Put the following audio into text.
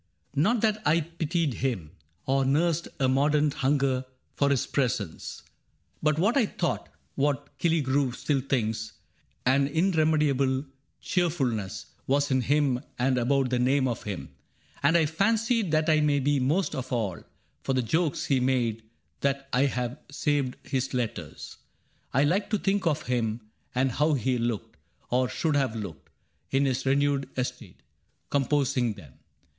Not that I pitied him. Or nursed a mordant hunger for his presence ; CAPTAIN CRAIG 19 But what I thought (what Killigrew still thinks) An irremediable cheerfulness Was in him and about the name of him, And I fancy that it may be most of all For the jokes he made that I have saved his letters. I like to think of him, and how he looked — Or should have looked — in his renewed estate, Composing them.